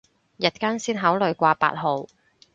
日間先考慮掛八號